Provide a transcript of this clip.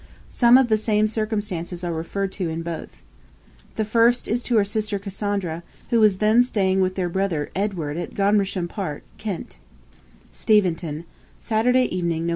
Some of the same circumstances are referred to in both. The first is to her sister Cassandra, who was then staying with their brother Edward at Godmersham Park, Kent: 'Steventon, Saturday evening, Nov.